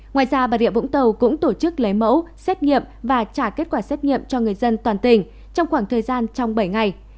ngoài ra bà rịa vũng tàu cũng tổ chức lấy mẫu xét nghiệm và trả kết quả xét nghiệm cho người dân toàn tỉnh trong khoảng thời gian trong bảy ngày